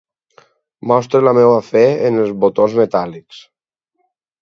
Mostro la meva fe en els botons metàl·lics.